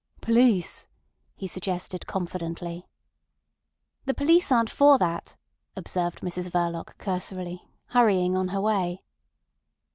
"Police," he suggested confidently. "The police aren't for that," observed Mrs Verloc cursorily, hurrying on her way.